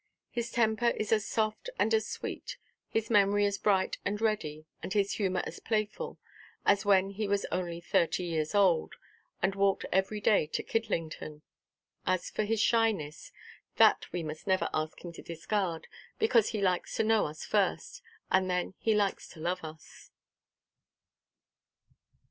His temper is as soft and sweet, his memory as bright and ready, and his humour as playful, as when he was only thirty years old, and walked every day to Kidlington. As for his shyness, that we must never ask him to discard; because he likes to know us first, and then he likes to love us.